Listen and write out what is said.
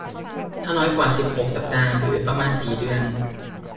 ถ้าน้อยกว่า สิบหก สัปดาห์หรือประมาณ สี่ เดือน